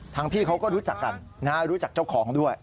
พี่เขาก็รู้จักกันรู้จักเจ้าของด้วย